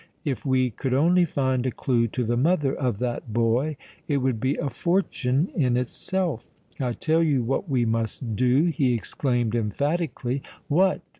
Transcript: If we could only find a clue to the mother of that boy, it would be a fortune in itself. I tell you what we must do!" he exclaimed emphatically. "What?"